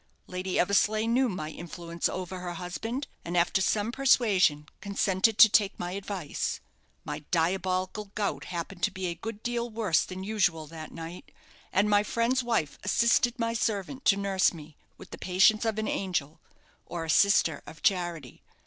Lady Eversleigh knew my influence over her husband; and, after some persuasion, consented to take my advice. My diabolical gout happened to be a good deal worse than usual that night, and my friend's wife assisted my servant to nurse me, with the patience of an angel, or a sister of charity.